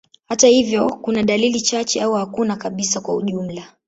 Hata hivyo, kuna dalili chache au hakuna kabisa kwa ujumla.